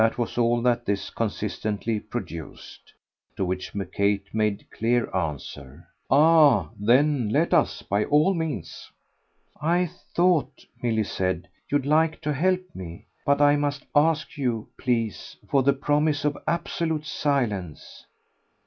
was all that this consistently produced. To which Kate made clear answer: "Ah then let us by all means!" "I thought," Milly said, "you'd like to help me. But I must ask you, please, for the promise of absolute silence."